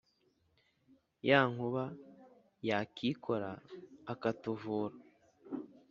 ya nkuba ya cyikora akatuvura.